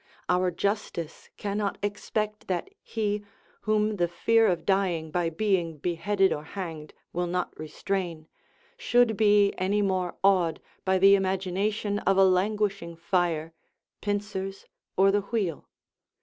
Our justice cannot expect that he, whom the fear of dying by being beheaded or hanged will not restrain, should be any more awed by the imagination of a languishing fire, pincers, or the wheel.